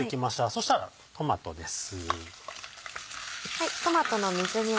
そしたらトマトです。